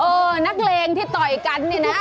นักเลงที่ต่อยกันเนี่ยนะ